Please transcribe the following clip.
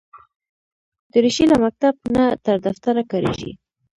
دریشي له مکتب نه تر دفتره کارېږي.